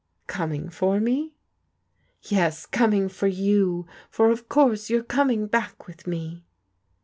" Coming for me ?" "Yes, coming for you, for of course you're coming back with me."